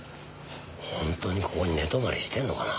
本当にここに寝泊まりしてんのかな？